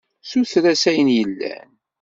Suter-as ayen yellan.